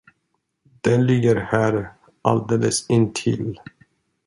Den ligger här alldeles intill.